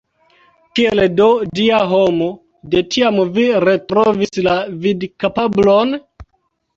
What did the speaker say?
Kiel do, Dia homo, de tiam vi retrovis la vidkapablon?